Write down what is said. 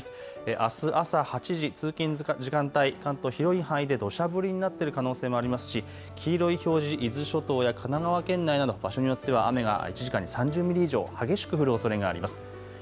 あす朝８時、通勤時間帯、関東広い範囲でどしゃ降りになっている可能性もありますし、黄色い表示、伊豆諸島や神奈川県内、場所によっては雨が１時間３０ミリ以上、激しく降るおそれがあります。